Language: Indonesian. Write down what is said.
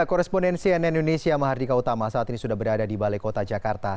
korespondensi nn indonesia mahardika utama saat ini sudah berada di balai kota jakarta